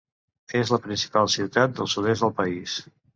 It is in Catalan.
És la principal ciutat del sud-est del país.